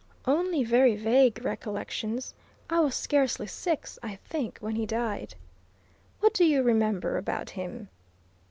"Only very vague recollections. I was scarcely six, I think, when he died." "What do you remember about him?"